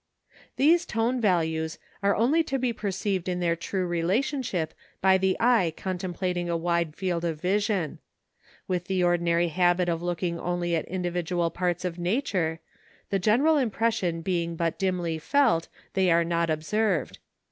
These tone values are only to be perceived in their true relationship by the eye contemplating a wide field of vision. With the ordinary habit of looking only at individual parts of nature, the general impression being but dimly felt, they are not observed.